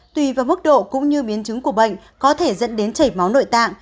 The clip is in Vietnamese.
tùy vào mức độ cũng như biến chứng của bệnh có thể dẫn đến chảy máu nội tạng